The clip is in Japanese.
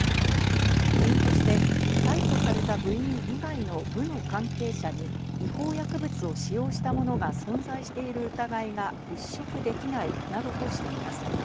理由として、逮捕された部員以外の部の関係者に違法薬物を使用したものが存在している疑いが払拭できないなどとしています。